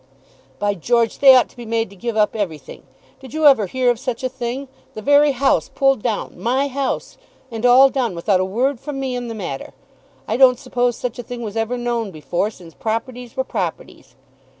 "By George, they ought to be made to give up everything. Did you ever hear of such a thing; the very house pulled down; my house; and all done without a word from me in the matter? I don't suppose such a thing was ever known before, since properties were properties."